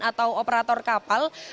atau operator kapal